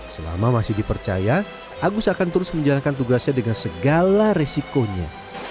selama masih dipercaya agus akan terus menjalankan tugasnya dengan segala resikonya